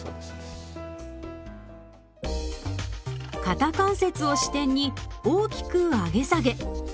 肩関節を支点に大きく上げ下げ。